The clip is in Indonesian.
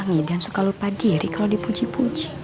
kang idan suka lupa diri kalau dipuji puji